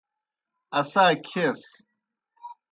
اسا کھیس۔